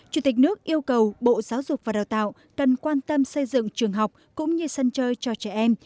chủ tịch nước yêu cầu bộ giáo dục và đào tạo cần quan tâm xây dựng trường học cũng như sân chơi cho trẻ em